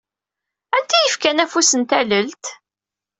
Anta i yefkan afus n tallalt?